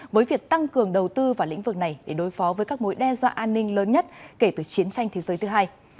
với việc tăng cường đầu tư vào lĩnh vực này để đối phó với các mối đe dọa an ninh lớn nhất kể từ chiến tranh thế giới thứ hai